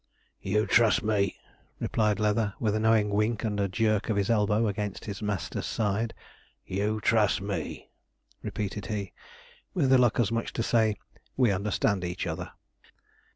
'You trust me,' replied Leather, with a knowing wink and a jerk of his elbow against his master's side; 'you trust me,' repeated he, with a look as much as to say, 'we understand each other.'